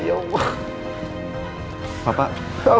minum obat dulu pak ya